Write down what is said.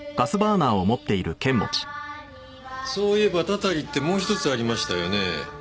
そういえばたたりってもう１つありましたよね。